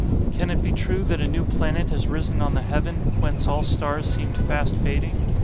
Can it be true that a new planet has risen on the heaven, whence all stars seemed fast fading?